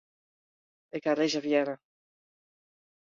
Ik ha reservearre.